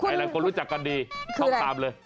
อะไรก็รู้จักกันดีท่องตามเลย